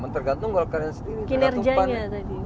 tergantung golkar yang sendiri kinerjanya tadi